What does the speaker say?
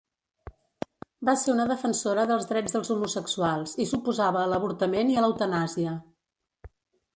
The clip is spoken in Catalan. Va ser una defensora dels drets dels homosexuals i s'oposava a l'avortament i a l'eutanàsia.